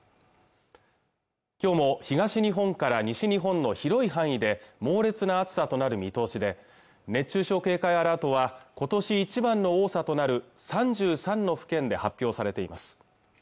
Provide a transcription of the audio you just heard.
今日も東日本から西日本の広い範囲で猛烈な暑さとなる見通しで熱中症警戒アラートは今年一番の多さとなる３３の府県で発表されています